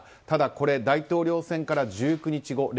ただ、これ大統領選から１９日後。